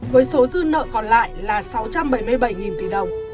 với số dư nợ còn lại là sáu trăm bảy mươi bảy tỷ đồng